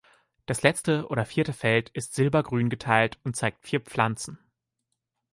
Das letzte oder vierte Feld ist silber-grün geteilt und zeigt vier Pflanzen.